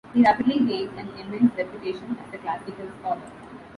He rapidly gained an immense reputation as a classical scholar.